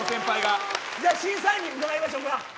審査員に伺いましょうか。